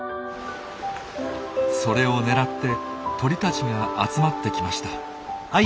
それを狙って鳥たちが集まってきました。